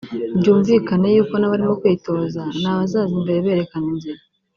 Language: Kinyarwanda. byumvikane y’uko n’abarimo kwitoza ni abazaza imbere berekana inzira